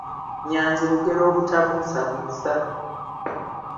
Nnyanzi lugero obutabuusabuusa